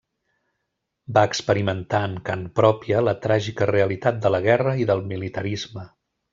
Va experimentar en carn pròpia la tràgica realitat de la guerra i del militarisme.